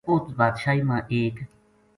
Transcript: اُس بادشاہی ما ایک